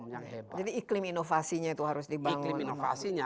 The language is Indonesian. jadi iklim inovasinya itu harus dibangun